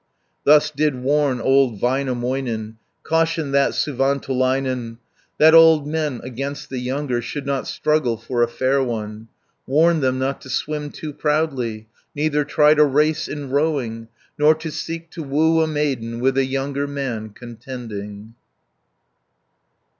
510 Thus did warn old Väinämöinen, Cautioned thus Suvantolainen, That old men against the younger, Should not struggle for a fair one: Warned them not to swim too proudly, Neither try to race in rowing, Nor to seek to woo a maiden, With a younger man contending.